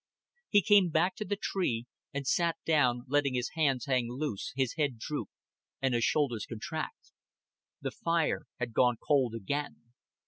He came back to the tree; and sat down, letting his hands hang loose, his head droop, and his shoulders contract. The fire had gone cold again.